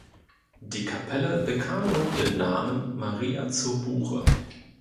Die Kapelle bekam nun den Namen Maria zur Buche.